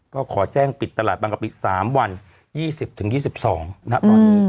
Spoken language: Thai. ก็ขอแจ้งปิดตลาดบางกะปิสามวันยี่สิบถึงยี่สิบสองนะอืม